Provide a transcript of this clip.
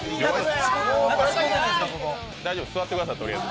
大丈夫、座ってください、とりあえず。